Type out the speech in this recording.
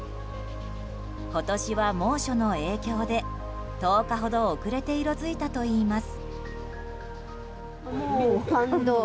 今年は猛暑の影響で１０日ほど遅れて色づいたといいます。